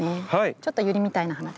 ちょっとユリみたいな花ですけれども。